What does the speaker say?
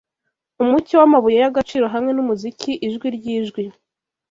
Umucyo w'amabuye y'agaciro hamwe n'umuziki, ijwi ry'ijwi